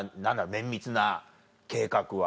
綿密な計画は。